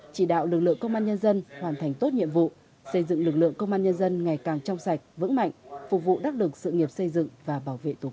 chỉ đạo lực lượng công an nhân dân hoàn thành tốt nhiệm vụ xây dựng lực lượng công an nhân dân ngày càng trong sạch vững mạnh phục vụ đắc lực sự nghiệp xây dựng và bảo vệ tổ quốc